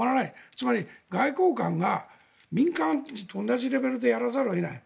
つまり外交官が民間人と同じレベルでやらざるを得ない。